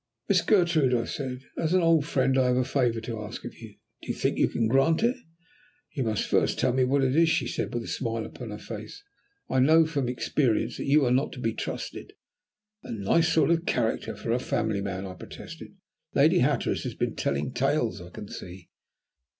"Miss Gertrude," I said, "as an old friend I have a favour to ask of you. Do you think you can grant it?" "You must first tell me what it is," she said, with a smile upon her face. "I know from experience that you are not to be trusted." "A nice sort of character for a family man," I protested. "Lady Hatteras has been telling tales, I can see."